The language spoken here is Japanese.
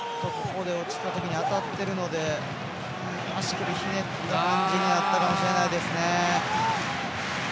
落ちた時に当たってるので足首、ひねった感じになってるかもしれないですね。